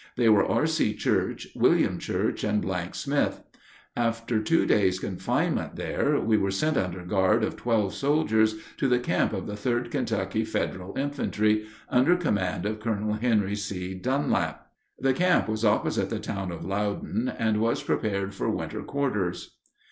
They were R.C. Church, William Church, and Smith. After two days' confinement there, we were sent under guard of twelve soldiers to the camp of the 3d Kentucky Federal Infantry, under command of Colonel Henry C. Dunlap. The camp was opposite the town of Loudon, and was prepared for winter quarters.